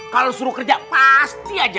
kalau disuruh kerja pasti aja lambat